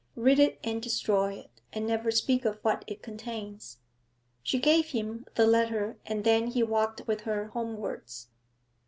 Read it and destroy it, and never speak of what it contains.' She gave him the letter, and then he walked with her homewards.